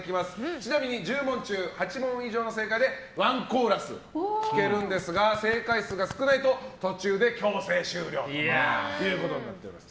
ちなみに１０問中８問以上正解でワンコーラス聴けるんですが正解数が少ないと途中で強制終了ということになっております。